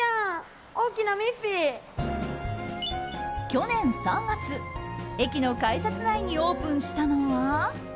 去年３月駅の改札内にオープンしたのは。